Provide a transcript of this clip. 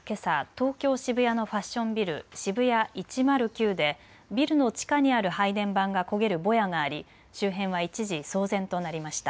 東京渋谷のファッションビル、ＳＨＩＢＵＹＡ１０９でビルの地下にある配電盤が焦げるぼやがあり周辺は一時、騒然となりました。